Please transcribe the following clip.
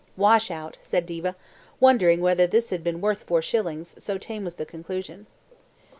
"Wash out," said Diva, wondering whether this had been worth four shillings, so tame was the conclusion.